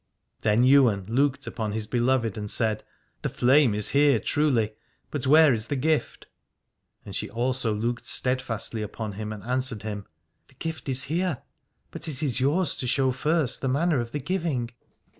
Then Ywain looked upon his beloved and said : The flame is here truly, but where is the gift? And she also looked steadfastly upon him and answered him : The gift is here, but it is yours to show first the manner of the giving.